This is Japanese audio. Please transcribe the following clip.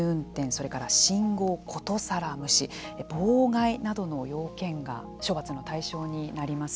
それから「信号殊更無視」「妨害」などの要件が処罰の対象になります。